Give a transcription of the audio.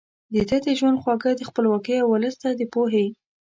ده د ژوند خواږه د خپلواکۍ او ولس ته د پوهې